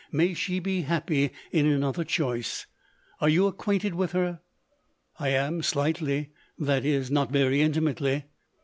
May she be happy in another choice ! Are you acquainted with her ?"" I am, slightly — that is, not very intimately